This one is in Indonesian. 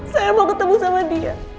saya mau ketemu sama dia